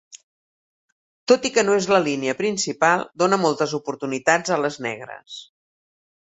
Tot i que no és la línia principal, dóna moltes oportunitats a les negres.